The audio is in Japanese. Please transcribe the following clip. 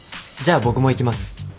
じゃあ僕も行きます。